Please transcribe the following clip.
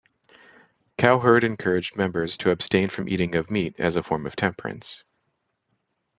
Cowherd encouraged members to abstain from eating of meat as a form of temperance.